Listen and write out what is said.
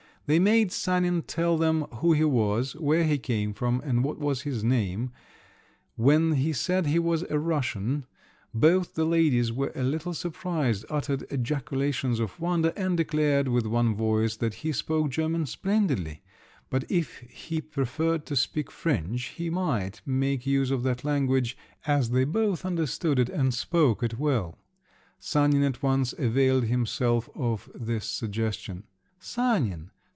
They made Sanin tell them who he was, where he came from, and what was his name; when he said he was a Russian, both the ladies were a little surprised, uttered ejaculations of wonder, and declared with one voice that he spoke German splendidly; but if he preferred to speak French, he might make use of that language, as they both understood it and spoke it well. Sanin at once availed himself of this suggestion. "Sanin!